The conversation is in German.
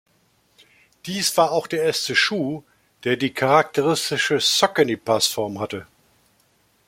Dies war auch der erste Schuh, der die charakteristische Saucony-Passform hatte.